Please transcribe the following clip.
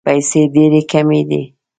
پیسې ډېري کمي دي.